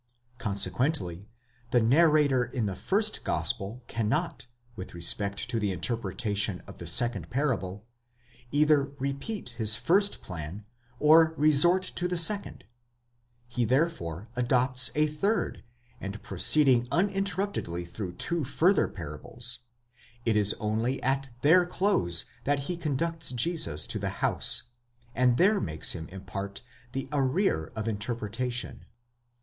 Consequently, the narrator in the first gospel cannot, with respect to the interpretation of the second parable, either repeat his first plan, or resort to the second; he therefore adopts a third, and proceeding uninterruptedly through two further parables, it is only at their close that he conducts Jesus to the house, and there makes him impart the arrear of inter pretation.